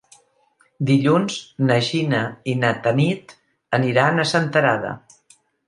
Dilluns na Gina i na Tanit aniran a Senterada.